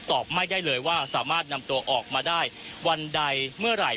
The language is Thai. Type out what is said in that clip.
ตอบไม่ได้เลยว่าสามารถนำตัวออกมาได้วันใดเมื่อไหร่